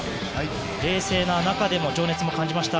冷静な中でも情熱を感じました。